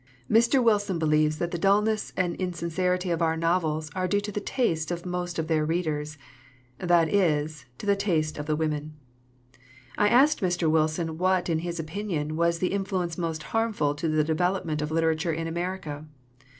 Mr. Wilson believes that the dullness and insincerity of our novels are due to the taste of most of their readers that is, to the taste of the women. I asked Mr. Wilson what, in his opinion, was the influence most harmful to the development of literature in America.